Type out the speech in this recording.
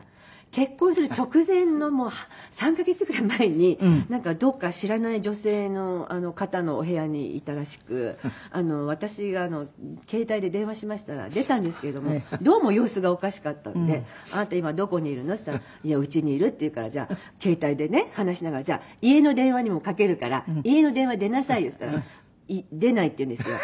結婚する直前のもう３カ月ぐらい前になんかどこか知らない女性の方のお部屋にいたらしく私が携帯で電話しましたら出たんですけれどもどうも様子がおかしかったんで「あなた今どこにいるの？」って言ったら「いやうちにいる」って言うから携帯でね話しながら「じゃあ家の電話にもかけるから家の電話に出なさいよ」って言ったら「出ない」って言うんですよ。